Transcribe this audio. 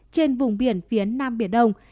trên vùng biển phía nam biển đông